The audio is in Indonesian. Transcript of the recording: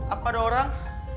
apa ada orang